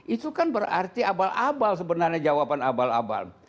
itu kan berarti abal abal sebenarnya jawaban abal abal